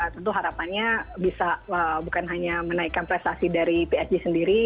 tentu harapannya bisa bukan hanya menaikkan prestasi dari psg sendiri